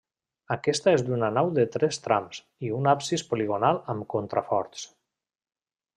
Aquesta és d'una nau de tres trams i un absis poligonal amb contraforts.